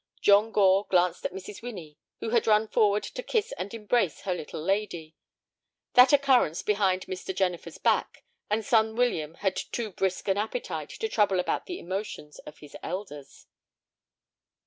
John Gore glanced at Mrs. Winnie, who had run forward to kiss and embrace her "little lady." That occurred behind Mr. Jennifer's back, and son William had too brisk an appetite to trouble about the emotions of his elders.